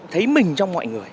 thấy mình trong mọi người